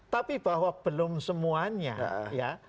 tapi bahwa belum semuanya ya